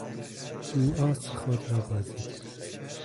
او آس خود را بازی کرد.